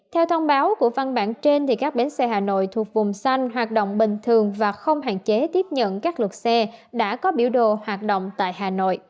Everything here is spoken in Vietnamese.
theo thông báo của văn bản trên các bến xe hà nội thuộc vùng xanh hoạt động bình thường và không hạn chế tiếp nhận các lượt xe đã có biểu đồ hoạt động tại hà nội